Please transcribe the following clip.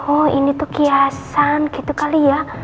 oh ini tuh kiasan gitu kali ya